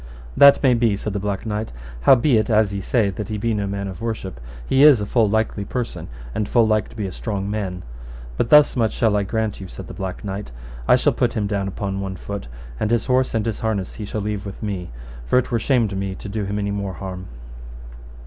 That may be, said the Black Knight; howbeit as ye say that he be no man of worship, he is a full likely person, and full like to be a strong man: but thus much shall I grant you, said the Black Knight; I shall put him down upon one foot, and his horse and his harness he shall leave with me, for it were shame to me to do him any more harm.